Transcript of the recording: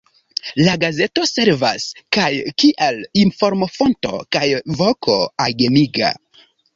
La gazeto servas kaj kiel informofonto kaj voko agemiga.